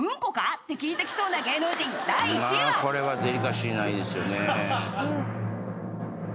これはデリカシーないですよね。